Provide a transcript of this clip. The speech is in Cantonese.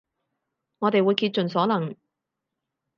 我哋會竭盡所能